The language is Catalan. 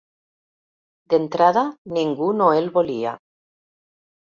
D'entrada, ningú no el volia.